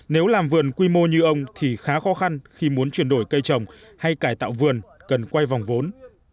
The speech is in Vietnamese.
nếu làm vườn quy mô như ông thì khá khó khăn khi muốn chuyển đổi cây trồng hay cải tạo vườn cần quay vòng vốn